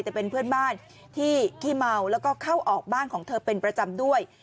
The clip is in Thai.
แต่เป็นเพื่อนบ้านที่ขี้เมาแล้วก็เข้าออกบ้านของเธอเป็นประจำด้วย